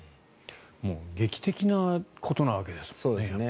劇的なことなわけですもんね。